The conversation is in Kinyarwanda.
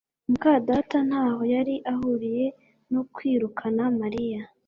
muka data ntaho yari ahuriye no kwirukana Mariya